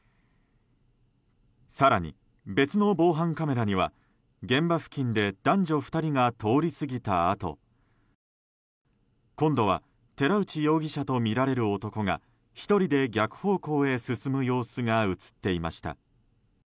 更に、別の防犯カメラには現場付近で男女２人が通り過ぎたあと今度は寺内容疑者とみられる男が１人で逆方向へ進む様子が映っていました。